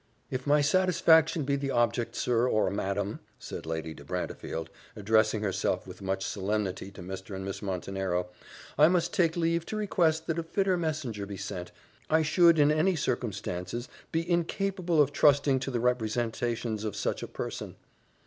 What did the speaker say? "If my satisfaction be the object, sir, or madam," said Lady de Brantefield, addressing herself with much solemnity to Mr. and Miss Montenero, "I must take leave to request that a fitter messenger be sent; I should, in any circumstances, be incapable of trusting to the representations of such a person."